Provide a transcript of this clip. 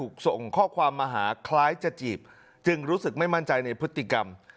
ส่งข้อความมาหาคล้ายจะจีบจึงรู้สึกไม่มั่นใจในพฤติกรรม